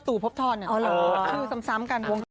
ตู่พบทรคือซ้ำกัน